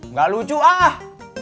nggak lucu ah